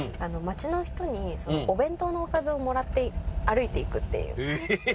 街の人にお弁当のおかずをもらって歩いていくっていう。